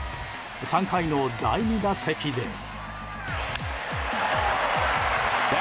３回の第２打席では。